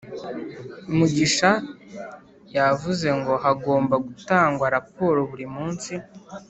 Mugisha yavuze ngo hagomba gutangwa raporo burimunsi